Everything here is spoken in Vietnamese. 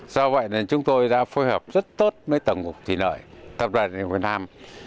do vậy nên chúng tôi đã phối hợp rất tốt với tầng cục thủy lợi tập đoàn điện lực việt nam